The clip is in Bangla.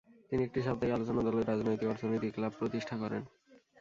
তিনি একটি সাপ্তাহিক আলোচনা দলের রাজনৈতিক অর্থনীতি ক্লাব প্রতিষ্ঠা করেন।